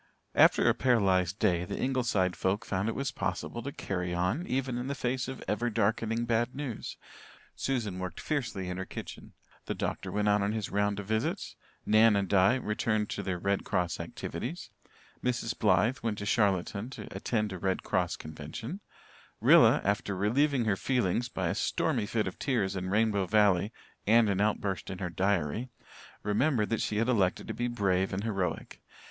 After a paralysed day the Ingleside folk found it was possible to "carry on" even in the face of ever darkening bad news. Susan worked fiercely in her kitchen, the doctor went out on his round of visits, Nan and Di returned to their Red Cross activities; Mrs. Blythe went to Charlottetown to attend a Red Cross Convention; Rilla after relieving her feelings by a stormy fit of tears in Rainbow Valley and an outburst in her diary, remembered that she had elected to be brave and heroic.